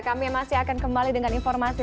kami masih akan kembali dengan informasi